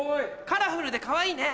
カラフルでかわいいね。